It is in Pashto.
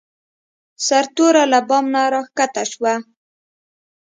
سرتوره له بام نه راکښته شوه.